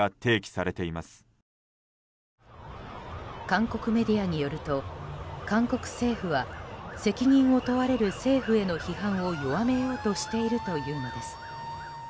韓国メディアによると韓国政府は責任を問われる政府への批判を弱めようとしているというのです。